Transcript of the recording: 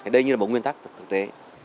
đây như là một nguyên tắc thực tế